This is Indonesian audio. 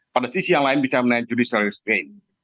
pada sisi yang lain bicara mengenai judicial restain